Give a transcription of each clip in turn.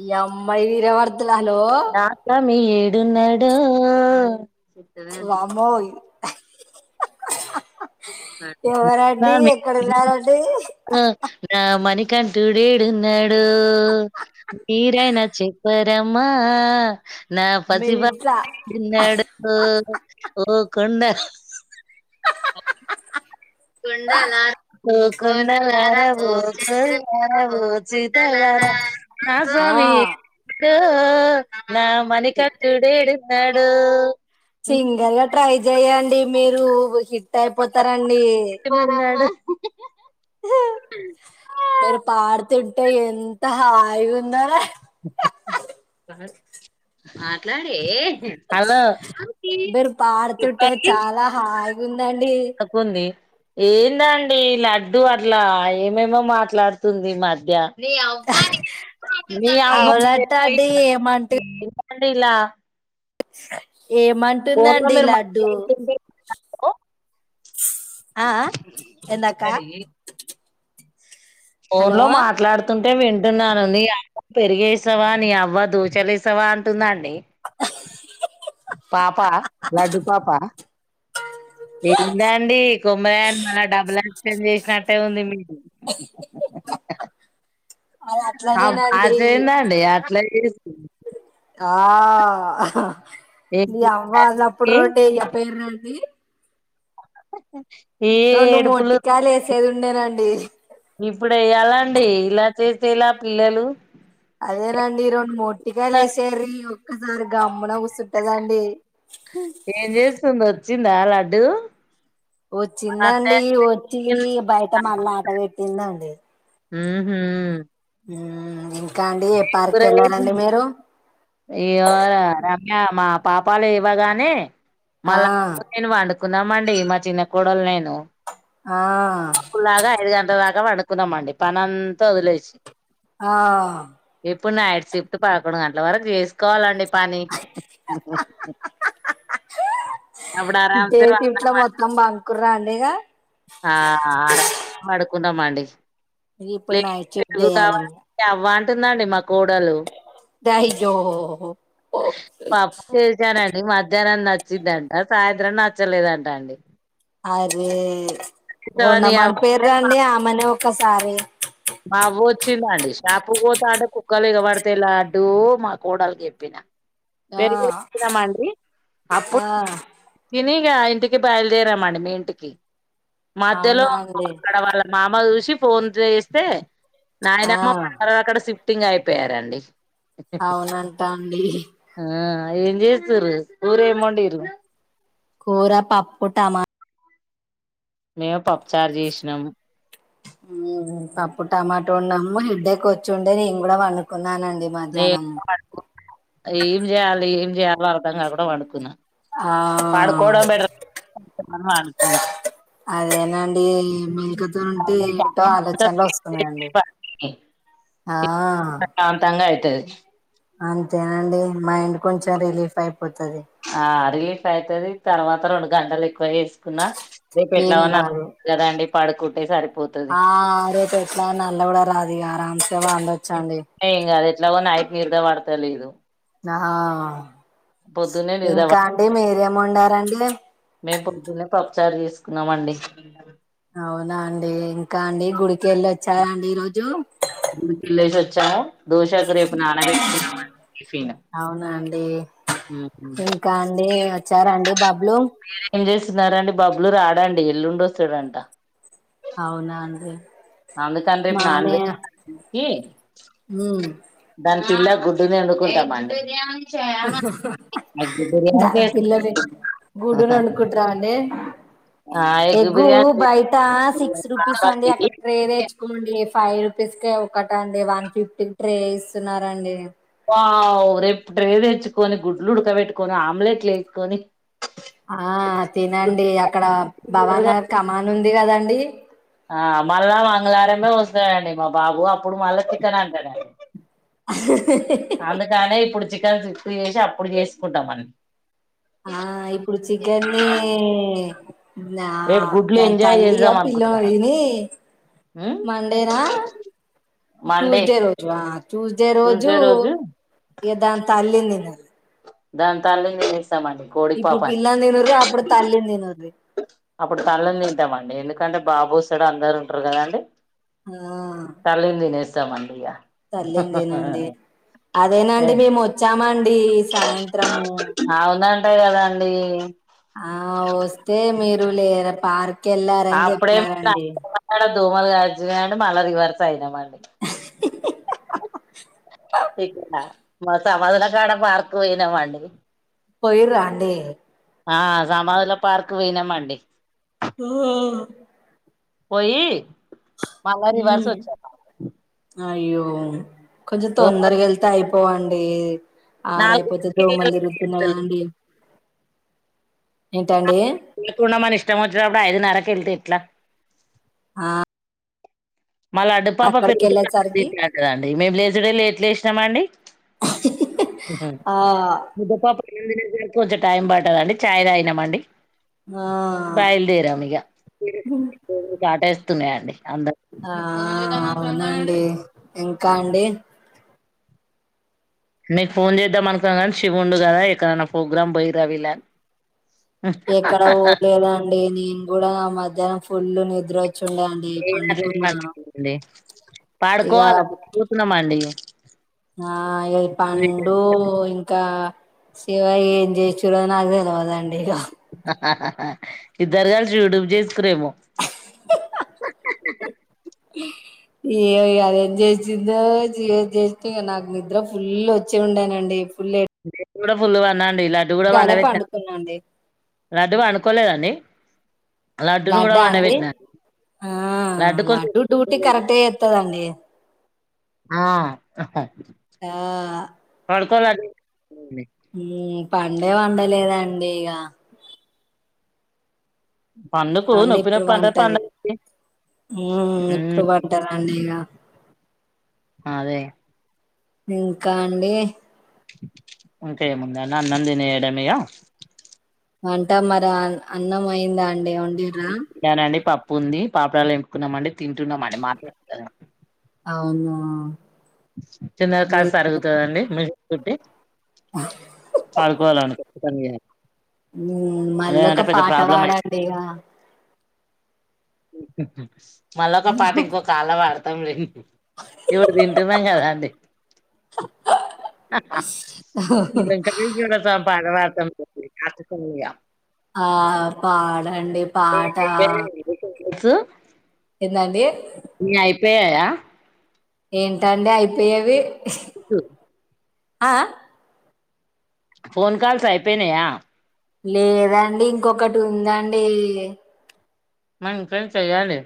ఈ అమ్మ ఇనవడ్ నా సమీర్ ఎన్నడో వామ్మో్ ఎవరండి స్వామి ఎక్కడ ఉన్నారండి మనిఠడేడున్నాడు మీరైనా చెప్పారమ్మా నా మీ పసి ఇంట్లా బాలుదేడున్నాడో ఓ కొండా కొండాల కొనాలా రావో రావో చీతార నా ఆ స్వామి ఏడు నా మణికంటుడు ఏడుంన్నాడు సింగర్ గా ట్రై చెయ్యండి అండి మీరు హిట్ అయిపోతారంండి ఉన్నాడు మేరు పాడుతుం టె ఎంత హాయిగా ఉందోరా మాట్లాడే హలో మీరు చెప్పండి దండి కుంది ఏందండి లడ్డు అట్ల ఏమేమో మాట్లాడుతుంది ఈ మధ్య అవునట అండి ఏమంటు [unintelligible] ఇలా ఫోన్ లో ఏమంటుందండి మీరు లడ్డు మాట్లాడుతుంటే ఆ ఆ ఎందాక్క ఫోన్ లో మాట్లాడుతుంట అే వింటున్నాను నీ అమ పెరిగేసావా నీ అవ్వ దొసాలు వేసావా అంటుందండి పాప లడ్డు పాప ఏందండి కొబరిని మళ్ళ డబ్బుల క్టన్ చేసినట్టే ఉంది మీరు అది మా మా అట్లనేనండి చెయందండి అట్లే ఇకు ఆ న ఏంటి అవ్వ అ అప్పుడు రోంటే్య పేరు రండి ఏ రెండు ఏడుపులు మొట్టికాయలు వేసేది ఉండేనండి ఇప్పుడు ఎలా అండి ఇలా చేసేలా పిల్లలు అదేనండి రెండు మొట్టికాయలు లేసేరీయు ఒసారి గమ్మున కూస్తుంటదండి ఏం చేస్తుంది పచ్చిందా లాడ్డుూ వచ్చిందండి వచ్చి బయట మళ్ళా ఆట పెట్టిందండి మ్మ్ హ్మ్ మ్మ్ ఇంకా అండి ఏ పార్క్ వెళ్ళారంండి మీరు ఏమో రా రమ్య మా పాపాలు లేవ్వగానే ఆ మల్ల ఎప్పుడుకిల్ల పండు కున్నా మండి మా చిన్న కొడల్ నేను ఆ అప్పుడు అలగా ఐదు గంట దక్ పడుకున్నామండి పన్నంత వదిలేసి ఆ ఇప్పు నైట్ షిఫ్ట్ పడకండు గెంతలవరకు చేసుకోవాలండి పని అప్పుడు ఆరామ్సే దేవి ఇట్లా పండమండి మొత్తం బాంకుర అండి తేగా ఆ ఆరా పడుకుందాం అండి ఇప్పుడు నైట్ షిఫ్ట్ చేయాలే ఉంటుందండి మా కోడలు ధైయోహో పప్పు చేశానండి మధ్యాహ్నం నచ్చిందంట సాయంత్రం నచ్చలేదంట అండి అరే చేసావని ఉండమని అవ్వంటే పోయాండి ఆమెనే ఓక్ క సారే మావు వచ్చింది అండి షాపు పోతాడు కుక్కలు ఎగబడితేలాడ్డు మా కోడలు చెప్పిన ఆ పెరిగినామండి అప్పుడు ఆ తిని ఆ ఇంటికి బయలుదేరామండి మీ ఇంటికి మధ్యలో అవునా అండి అక్కడ వాళ్ళ మామ చూసి ఫోన్ చేస్ తే ఆ నాయనమ్మ మొన్నక్కడ షిఫ్టింగ్ అయిపోయ్ చెప్పరండి అవునంట అండి ఆ ఏం చేస్తారు కురేమొందిన్రు కూర పప్పుటమాట్ మేము పప్పుచర్ చేసినాము పప్పు టమాటో వోన్నాము హెడేక్ వచ్చుండే నేను కూడా పండుకున్నా నేను గూడా ఏం చేయాలి ఏం చేయాలి చేయాలో అర్థంగా కూడా పాడుకున్నా ఆ పాడుకోడం బెటరు పాడుకున్న అదేనా అ మేలికతు ఉంటే ఏంటో ఆలోచనలు వస్తున్నాయండి ఆ ప్రశాంతంగా అయితది అంతేనండి మైండ్ కొంచెం రిలీఫ్ అయిపో పోతది అఫ అయితుది తర్వాత రెండు గంటలు ఎక్కువ వేసుకున్నా రేపు ఎట్లా ఏం ఉన్నా కాదు కదాండి పాడుకుటే సరికి ఆ అదే చెట్లా నల్ కూడా కూడా రాజ అ రాం సేవా అందొచ్చా అండి ఇట్లా యి మీ నిరుద వాడతలే ఇది నా పొద్దున్నే నిద్ర ఇంకా పడ అండి మీర మండారండి మేము పొద్దునే పప్పుచారు తీసుకున్నామండి అవునా అండి ఇంకా అండి గుడికి వెళ్ళి వచ్చారా అండి ఈ రోజు ఇల చచ్చా టిఫిన్ అవునండి ఉహు. ఇంకా అండి వచ్చారండి బాబా చినారండి బబ్బులు రాడండి ఎల్లుం వస్తాడంట అవునా అంద అందుకండే ఇప్పు నన్ వెెజ్ ఉమ్ దాని పిల్ల గుడ్డుని వండుకుంటామండి ఎగ్ బిర్యానీ దాని చేస్తా పిల్లలు గుడు వండుకుంట్రావండి ఆ ఎగ్ ఎగ్గు బిర్యానీ బయట సిక్స్ రూపీస్ అండి పాపకి అక్కడ ట్రే తెేచ్చుకోమండి ఫైవ్ రూపీస్ క ఒకట అండి వన్ ఫిఫ్టీకి ట్రే ఇస్తున్నన్నారుండి రేపు ట్రే తెచ్చుకొని గుడ్లు ఉడకబెట్టుకొని ఆమ్లెట్లు వేసుకొని ఆ తినండి అక్కడ భవానా కఖమాన్ ఉంది కదండి ఎ ఆ మళ్ళా మంగళారమే వస్తాడండి మా బాబు అప్పుడు మళ్ళా చికెన్ అంటాడండి అందు కానే పడుచ చేసి అప్పుడు చేసుకుంటాం మని ఆ ఇప్పుడు చికెన్ని నా రేపు గుడ్లు దాని ఎంజాయ్ తల్లియా చేద్దాం పిల్ల అనుకుంటున్నాం దీని ఉమ్ మండేనా మండే ట్యూస్డే రోజు ట్యూస్డే రోజు ఇక దాని తల్లి నిన్న దాంతల ఇప్పుడు పిల్లని తను అప్పుడు తల్లిందిను అప్పుడు తల్ళని తింటామండి ఎందుకు ఎంటే బాబు సడు అందరు ఉంటారు కదా అండి ఆ ఇక తల్లింతినండి అదేనండి మేము వచ్చామ అండి సాయంత్రము అంటాయి కదాండి ఆ వస్తే మీరు లేర పార్క్ కెళ్లారని అప్పుడేమి చెప్పినారంండి దోమలు కరిచినాయి అని మళ్ళీ రివర్స్ అయినమాండి ఇక మా సమాధల కాడ పార్కు పోయినామండి పోయి రా అండి ఆ సమాదుల పార్క్ పోయినమండి హ పోయి మల్ల రివర్స్ వచ్చాం అయ్యో కొంచం తొందరగ వెళ్తే అయి పోవండి ఆరయిపోతే దోమలు తిరుగుతున్నా నాలుగుంటలు కదండి ఏంటండి తూ మని ఇష్టంచ్చ అప్పుడు ఐదు నారర కెళ్తతి ట్లా ఆ మళ్ళా అడ్డుపాప అక్కడికి పెగుతుదండి వెళ్ళేసరికి ఏంటిది అంటుంది మేము లేస్ టుడే లేట్ లేచినామండి ఆ ముద్ద పప్పు కొంచెం టైం పడదండి చాయ్ తాగినం అండి ఆ బయల్దేరం ఇగ ఆటో ఉన్నయండి అం ఆ అవునండి ఇంకా అండి మీకు ఫోన్ చేద్దాం అనుకున్నాను గానీ శివుండు కదా ఎక్కడన్న ఫోగ్రామ్ పోయి ర విలని ఎక్కడ పోలేదండి నేను కూడా ఆ మధ్యాహ్నం ఫులు ని ద్రోచ్ ఏడి అసల్ ఏడండి [unintelligible] పాడకోల ఇక కూసునమండి ఆ ఏ పండు ఇన్ ఇంకా శివ ఏం చేయచున నాకు తెలవదండి ఇక హహ ఇద్దరు కలిసి యూడ్యూబ్ చేసురేమో ఏమొ ఇగ అదేం చేసిందో చేసి ఇ నాకు నిద్ర ఫుల్ వచ్చే ఉండేనండి ఫులే నేను కూడా ఫులు గా ఉన్న లడ్డు కూడా వండవేట్నా పండుకున్నాండి లడ్డు వడుకోలేదండి లడ్డా అండి ఆ లడ్డు కొంచెం లడ్డూ డ్యూటీ పండుకోలేదు. కరెక్టే చెత్తదండి ఆ ఆహ్ ఆ పొదండి ఊమ్ పండే వండలేదండి ఇగ పండుకు అండి నొప్పి ఇప్పుడు నొప్పి అంటది పంటది పండగకి ఊమ్ ఇప్పుడు పంట దండి ఇగ ఆ అదే ఇంకా అండి ఇంకాముందండి అన్నం తినేయడం ఇగ వంట మరి ఆ అన్నం అయిందా అండి ఏమన్నా నేనండి పప్ పప్పుంది పాపడలు ఎంపుకున్నంమండి తింటున్న మట మాత్ర ఆ అవును తిన్నది కాస్త ఆరుగుతుందిండి మీ తోటి పాల్కోవాల అండి పె మళ్ళీ ఒక లేదుంటే పెద్ద పాట ప్రాబ్లం అయింది పాడండి ఇక మళ్ళొ ఒక పాట ఇంకో కాళ్ల వాడత తంం ఎవరు ది నిజం కదాఅండి మీరు ఎంత గలీజ్ గా వున్నరూ ఇగ ఆ పాడంండి పాట సు ఎందండి పోయయా ఏంటి అండి అయిపోయేవి [unintelligible] ఆ ఆ ఫోన్ కాల్స్ అయిపోయినాయా లేదండి ఇంకొకటి ఉందండి మనిద్దరం చేయ్యాలే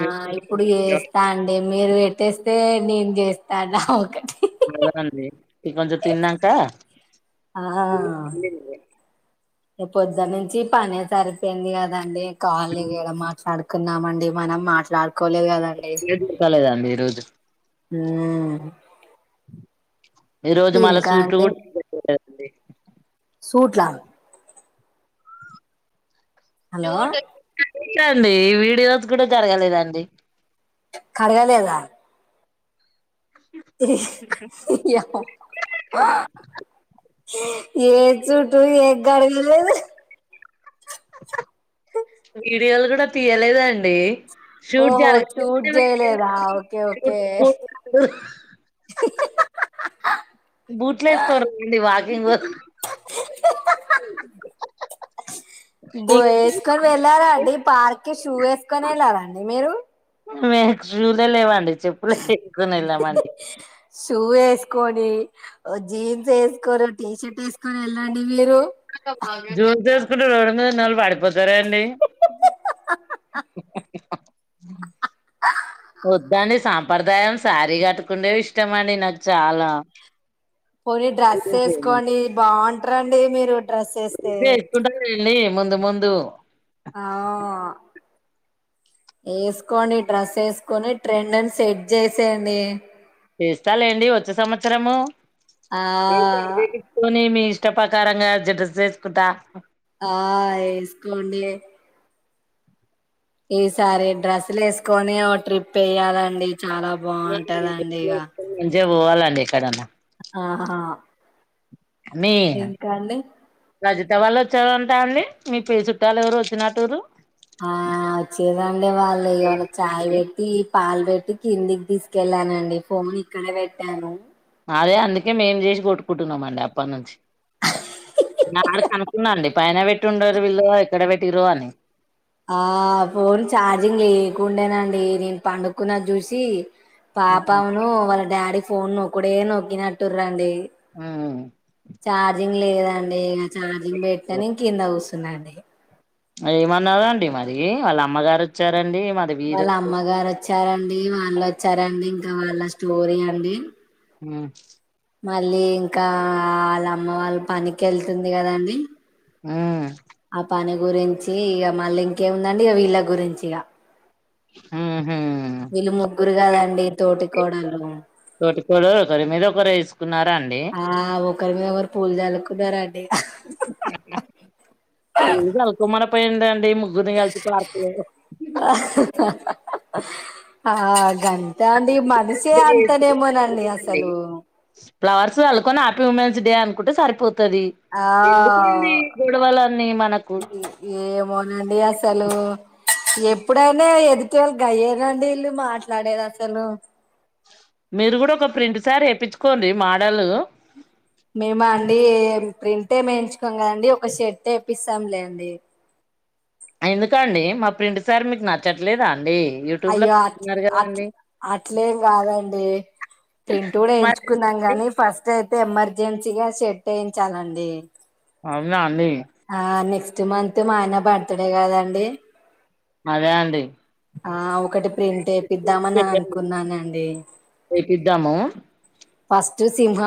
ఆ ఇప్పుడు చేస్తా అండి మీరు పెట్టేస్తే నేను చేస్తానా ఒకటి [unintelligible] అండి ఇగ కొంచం తిన్నాంక పొద్దనుంచి పనే సరిపోయింది కదండి. ఖాళీగాడ ఏడ మాట్లాడు కున్నామండి మనం మాట్లాడు కోలేదు కదండి మిరోజు మ్మూ ఈ రోజు మళ్ల సూట్ కూడా [inaudible] లేదండి సూట్లా హలో [inaudible] అండి వీడియోస్ కూడా జరగలేదండి. కడగలేదా ఏ చుట్టూ ఏ గడగలేదు వీడియోలు కూడా తీయలేదు అండి. షూట్ ఓహో జరగ [inaudible] షూట్ చేయలేదా ఓకే ఓకే బూట్లెస్కోరి [inaudible] వా [unintelligible] బో ఏసుకొని వెళ్ళారా అండి పార్క్ కి షూ ఏసుకొని వెళ్ళారా అండి మీరు. మాకు షూలే లేవండి చెప్పులే ఏసుకొని వెళ్ళామండి. షూ ఏసుకొని జీన్స్ ఏసుకొని టీర్ట్ ఏసు మరి వెళ్ళండి మీరు [unintelligible] రోడ్ మీద వున్నోలు పడి బజారే అండి వద్దని సాం సంప్రదాయం శారీ కట్టుకుండేవి ఇష్టం అండి నాకు చాలా పోని డ్రెస్ వేసుకోండి బాగుంటా రండి మీరు డ్రెస్ వేస్తే లి ముందు ముందు ఆ వేసుకోండి డ్రస్ వేసుకొని ట్రెండ్ని సెట్ చేసేయండి తీస్తా లేండి వచ్చే సంవత్సరము ఆ నే మీఇష్టం ఇష్ట ప్రకారంగా డ్రెస్ వేసుకుంటా ఆ వేసుకోండి ఈసారి డ్రెస్సులు వేసుకొని ఓ ట్రిప్ వయ్యాలండి [inaudible] పోవాలండి ఎక్కడన్నా ఆహా ఇంకా అండి రజత వాళ్ళు వచ్చారుంటా అండి మీ పే చుట్టాలు ఎవరు వచ్చిన టరు ఆ వచ్చి రండి వాళ్ళు ఇవాళ చాయ్ పెట్టి పాల్ పెట్టి కిందికి తీసుకెళ్ళానండి ఫోన్ ఇక్కడే పెట్టాను అదే అందుకే మేం చేసి కొట్టుకుంటున్నామ అండి అప్పటి నుంచి నాడు కనుకున్నాండి పైన పెట్టిండరు వీళ్ళ ఇక్కడ పెట్టిర అని ఆ ఫోన్ చార్జింగ్ లేకుండేనండి నేను పండుకున్న చూసి పాపవును వాళ్ళ డాడీ ఫోన నొక్కుడే నొక్కి నట్టురండి ఆ లేదండి చార్జింగ్ పెట్ట్ కింద కూర్చు అవునండి ఏమన్నదండి మది వాళ్ళ అమ్మగారు వచ్చారండి మరి వీరు వాళ్ళ అమ్మగారు వచ్చారండి వాన్లో వచ్చారండి ఇంకా వాళ్ళ స్టోరీ అండి హ మళ్ళీ ఇంకా వాళ్ళ అమ్మ వాళ్ళ పనికి వెళ్తుంది కదండి ఆ ఆ పని గురించి ఇక మళ్ళీ ఇంకేముందండి ఇక వీళ్ళ గురించి ఇక ఆ వీళ్ళు ముగ్గురు కాదండి తోటి కోడలు తోటి కోడలు ఒకరు మీరు ఒకరు వేసుకున్నారా అండి ఒక్కరి మీద ఒకరు పూలు చల్లుకున్నారండి ఇ అకు మ పయింటంటడి అ ముగ్గుని గల్చ పక ఆగాం అండి మనిషే అంతనేమోనండి అసలు ఫ్లవస్ల్లుొని హ్యాపీ ఉమెన్స్ డే అనుంటే సరిపోతుంది ఆ గొడవలన్నీ మనకు ఏమోనండి అసలు ఎప్పుడైనా ఎదు ప వాళ్ళకి అయ్యేదండి ఇల్లు మాట్లాడేది అసలు మీరు కూడా ఒక ప్రింట్ సారి వేప్పించుకోండి మోడల్ ప్రింటట్ మేయించుకోం కదండి ఒక షర్ట్ వేప్పస్తాంలే అండి ఎందుకండి మా ప్రింట్ సార్ మీకు నచ్చట్లేదా అండి యూట్యూబ్ లో అయ్యో అట్ పెడుతున్నారు అట్ కదండి అట్లేం కాదండి అ ప్రింట్ కూడా ఎయించుకున్నాం మరి గాని ఫస్ట్ అయి ఎమర్జెన్సీగా సెట్ అయించాలండి అవునా అండి ఆ నెక్స్ట్ మంత్ మా ఆయన బర్త్డే కదండి అదే అండి ఆ ఒకటి ప్రింట్ వేపిద్దామని అనుకున్నానండి ఇద్దాము ఫస్ట్ సింహం